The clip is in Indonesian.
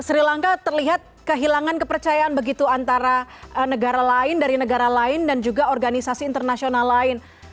sri lanka terlihat kehilangan kepercayaan begitu antara negara lain dari negara lain dan juga organisasi internasional lain